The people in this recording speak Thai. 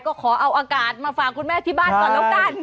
ก็ขอเอาอากาศมาฝากคุณแม่ที่บ้านก่อนแล้วกัน